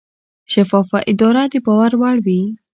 شفافه اداره د باور وړ وي.